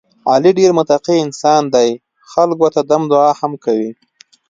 علي ډېر متقی انسان دی، خلکو ته دم دعا هم کوي.